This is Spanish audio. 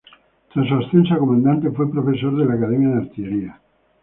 Tras su ascenso a comandante, fue profesor de la academia de artillería.